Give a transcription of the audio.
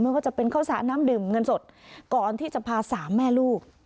ว่าจะเป็นข้าวสารน้ำดื่มเงินสดก่อนที่จะพาสามแม่ลูก